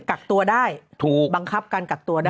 กักตัวได้ถูกบังคับการกักตัวได้